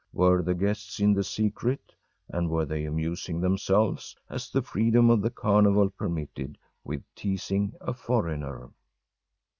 Were the guests in the secret, and were they amusing themselves as the freedom of the carnival permitted with teasing a foreigner?